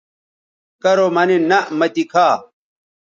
کرو مہ نِن نہ مہ تی کھا